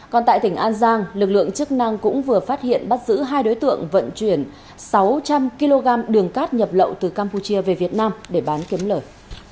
còn tại tỉnh an giang lực lượng chức năng cũng vừa phát hiện bắt giữ hai đối tượng vận chuyển sáu trăm linh kg đường cát nhập lậu từ campuchia về việt nam để bán kiếm lời